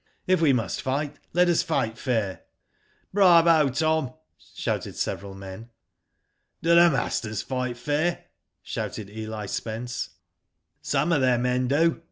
If we must fight, let us fight fair.'.' " Bravo Tom !" shouted several men. " Do the masters fight fair ?" shouted Eli Spence. ''Some of their men do.